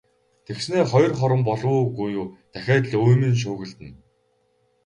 Тэгснээ хоёр хором болов уу, үгүй юу дахиад л үймэн шуугилдана.